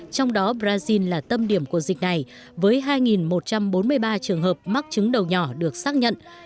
trong đó brazil là tâm điểm của dịch này với hai một trăm bốn mươi ba trường hợp mắc chứng đầu nhỏ được xác nhận